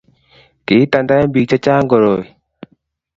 kiitenten biik che chang' koroi